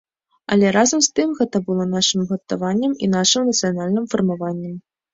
Але, разам з тым, гэта было нашым гартаваннем і нашым нацыянальным фармаваннем.